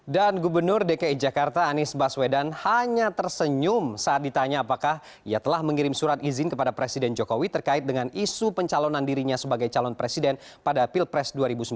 dan gubernur dki jakarta anies baswedan hanya tersenyum saat ditanya apakah ia telah mengirim surat izin kepada presiden jokowi terkait dengan isu pencalonan dirinya sebagai calon presiden pada pilpres dua ribu sembilan belas